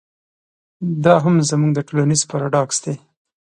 دا هم زموږ ټولنیز پراډوکس دی.